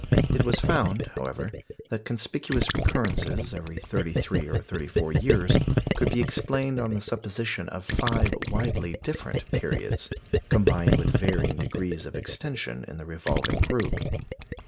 It was found, however, that conspicuous recurrences every thirty three or thirty four years could be explained on the supposition of five widely different periods, combined with varying degrees of extension in the revolving group.